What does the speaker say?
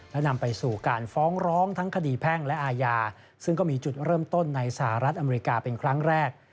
และนำไปสู่การฟ้องร้องทั้งคดีแพ่งและอาญาซึ่งก็มีจุดเริ่มต้นในสหรัฐอเมริกาเป็นครั้งแรก